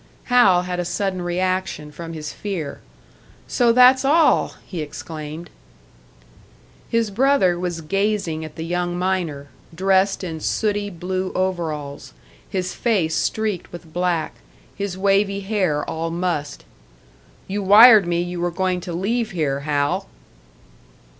Hal had a sudden reaction from his fear. "So that's all!" he exclaimed. His brother was gazing at the young miner, dressed in sooty blue overalls, his face streaked with black, his wavy hair all mussed. "You wired me you were going to leave here, Hal!"